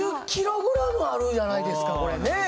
２０ｋｇあるじゃないですかこれね。